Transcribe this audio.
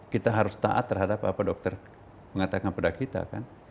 kita harus taat terhadap apa dokter mengatakan pada kita kan